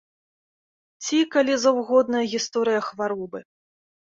Ці, калі заўгодна, гісторыя хваробы.